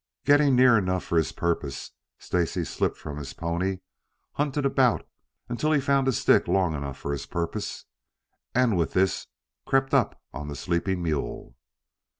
Getting near enough for his purpose, Stacy slipped from his pony, hunted about until he found a stick long enough for his purpose, and with this crept up on the sleeping mule.